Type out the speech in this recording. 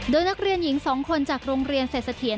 โดยนักเรียนหญิงสองคนจากโรงเรียนเศรษฐียน